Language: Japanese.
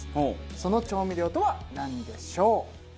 その調味料とはなんでしょう？